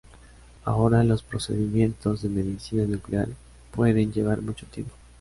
Ahora, los procedimientos de medicina nuclear pueden llevar mucho tiempo.